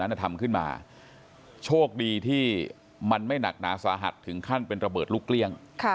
ทำขึ้นมาโชคดีที่มันไม่หนักหนาสาหัสถึงขั้นเป็นระเบิดลูกเกลี้ยง